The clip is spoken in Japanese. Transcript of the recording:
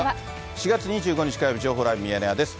４月２５日火曜日、情報ライブミヤネ屋です。